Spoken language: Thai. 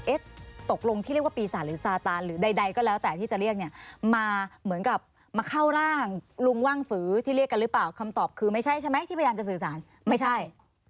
ตกลงที่เรียกว่าปีศาจหรือซาตานหรือใดก็แล้วแต่ที่จะเรียกเนี่ยมาเหมือนกับมาเข้าร่างลุงว่างฝือที่เรียกกันหรือเปล่าคำตอบคือไม่ใช่ใช่ไหมที่พยายามจะสื่อสารไม่ใช่